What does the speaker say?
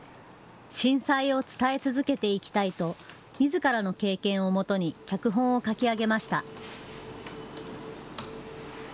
震災を伝え続けていきたいとみずからの経験をもとに脚本を書き上げました。